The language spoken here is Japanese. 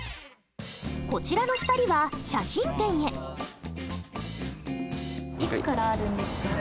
こちらの２人はいつからあるんですか？